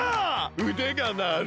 うでがなる！